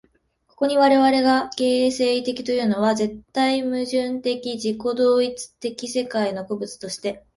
ここに我々が形成的というのは、絶対矛盾的自己同一的世界の個物として、